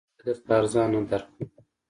خو زه به یې درته ارزانه درکړم